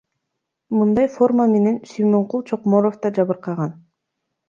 Мындай форма менен Сүймөнкул Чокморов да жабыркаган.